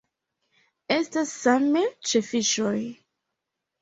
Estas same ĉe fiŝoj.